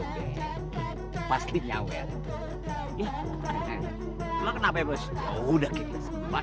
bapak sih selalu kasar